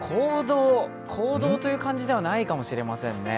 行動という感じではないかもしれませんね。